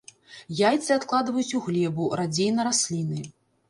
Яйцы адкладваюць у глебу, радзей на расліны.